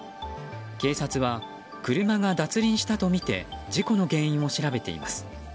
警察は、車が脱輪したとみて事故の原因を調べています。